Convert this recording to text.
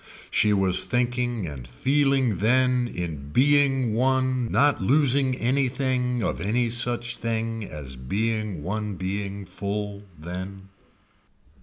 She was thinking and feeling then in being one not losing anything of any such thing as being one being full then.